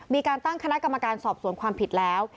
มีการตั้งคณะกรรมการสอบสวนความผิดแล้ว